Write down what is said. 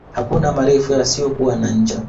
Hakuna marefu yasiyokuwa na ncha